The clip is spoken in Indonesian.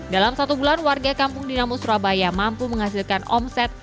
dalam satu bulan warga kampung dinamo surabaya mampu menghasilkan omset